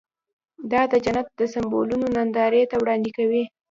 دا د جنت سمبولونه نندارې ته وړاندې کوي.